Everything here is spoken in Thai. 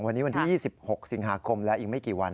วันนี้วันที่๒๖สิงหาคมแล้วอีกไม่กี่วัน